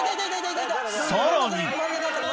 さらに！